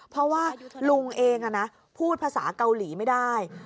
เพราะว่าลุงเองพูดภาษาเกาหลีไม่ได้